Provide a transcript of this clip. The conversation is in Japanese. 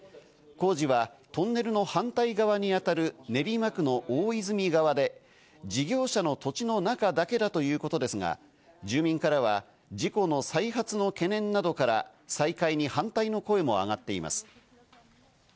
工事はトンネルの反対側に当たる練馬区の大泉側で事業者の土地の中だけだということですが、住民からは事故の再発の懸念などから再開に反対の声も上がっています。